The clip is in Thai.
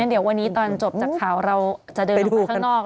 เดี๋ยววันนี้ตอนจบจากข่าวเราจะเดินออกไปข้างนอก